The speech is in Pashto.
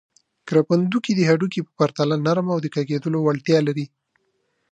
کرپندوکي د هډوکو په پرتله نرم او د کږېدلو وړتیا لري.